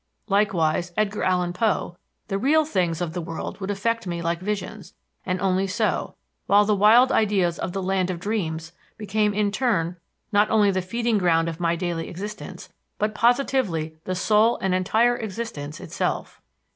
Likewise, Edgar Allan Poe: "The real things of the world would affect me like visions, and only so; while the wild ideas of the land of dreams became in turn not only the feeding ground of my daily existence but positively the sole and entire existence itself."